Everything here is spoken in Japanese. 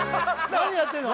何やってんの？